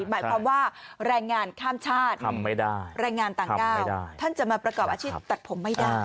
หมายความว่าแรงงานข้ามชาติทำไม่ได้แรงงานต่างด้าวท่านจะมาประกอบอาชีพตัดผมไม่ได้